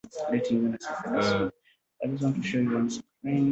There was no doubles event.